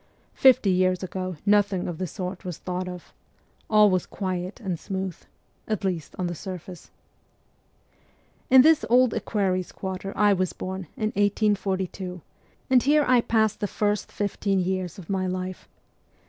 Fifty years ago nothing of the sort was thought of ; all was quiet and smooth at least on the surface. In this Old Equerries' Quarter I was born in 1842, and here I passed the first fifteen years of my life.